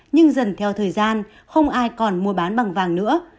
nhưng dần theo thời gian không ai còn mua bán bằng vàng nữa